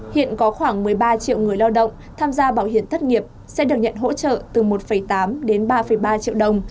hiện có khoảng một mươi ba triệu người lao động tham gia bảo hiểm thất nghiệp sẽ được nhận hỗ trợ từ một tám đến ba ba triệu đồng